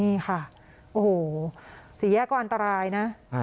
นี่ค่ะโอ้โหสี่แยกก็อันตรายนะ